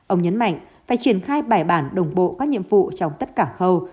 ông nhấn mạnh phải triển khai bài bản đồng bộ các nhiệm vụ trong tất cả khâu